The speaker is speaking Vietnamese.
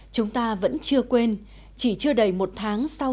chúng ta vẫn chưa quên chỉ chưa đầy một tháng sau